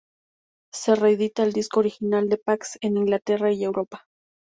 Se reedita el disco original de Pax en Inglaterra y Europa.